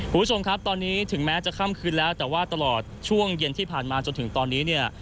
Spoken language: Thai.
คุณผู้ชมครับตอนนี้ถึงแม้จะค่ำคืนแล้วแต่ว่าตลอดช่วงเย็นที่ผ่านมาจนถึงตอนนี้เนี่ย